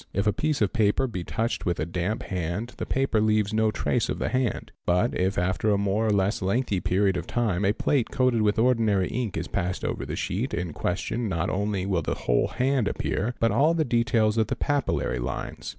If a piece of paper be touched with a damp hand the paper leaves no trace of the hand; but if after a more or less lengthy period of time a plate coated with ordinary ink is passed over — the sheet in question not only will the whole hand appear but all the details of the papillary lines.